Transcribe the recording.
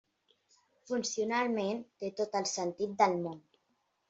Funcionalment té tot el sentit del món.